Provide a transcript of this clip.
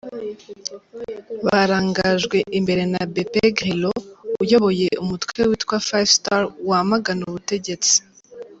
Barangajwe imbere na Beppe Grillo uyoboye umutwe witwa Five Star wamagana ubutegetsi.